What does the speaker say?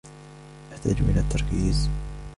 أحتاج إلى التركيز.